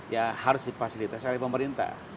ya harus difasilitasi oleh pemerintah